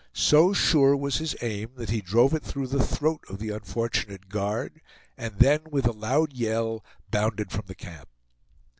So sure was his aim that he drove it through the throat of the unfortunate guard, and then, with a loud yell, bounded from the camp.